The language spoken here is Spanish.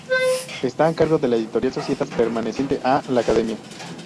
Está a cargo de la Editorial Societas, perteneciente a la Academia.